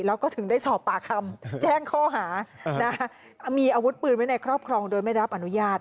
แล้วก็ถึงได้สอบปากคำแจ้งข้อหามีอาวุธปืนไว้ในครอบครองโดยไม่รับอนุญาต